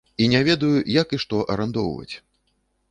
І не ведаю як і што арандоўваць.